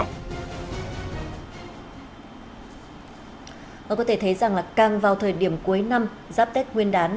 mọi người có thể thấy rằng là càng vào thời điểm cuối năm giáp tết nguyên đán